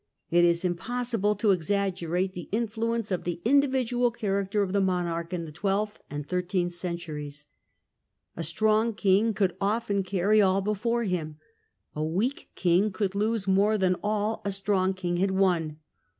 It is impossible to exaggerate the influence of the individual character of The the monarch in the twelfth and thirteenth cen Monarchy, tunes. A strong king could often carry all before him; a weak king could lose more than all a strong king had won.